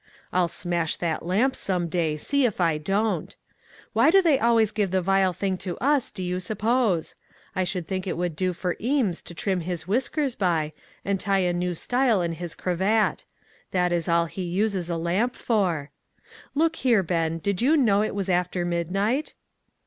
I'll smash that lamp some day, see if I don't ! Why do they always give the vile thing to us, do you suppose ? I should think it would do for Eames to trim his whiskers by, and tie a new style in his cravat; that is all he uses a lamp for. Look here, Ben, did you know it was after midnight?"